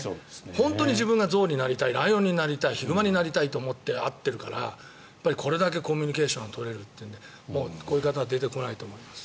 本当に自分が象になりたいライオンになりたいヒグマになりたいと思って会っているからこれだけコミュニケーションを取れるというのでもうこういう方は出てこないと思います。